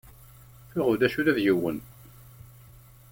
Tuɣ ulac ula d yiwen.